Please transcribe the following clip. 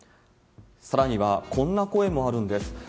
さらには、こんな声もあるんです。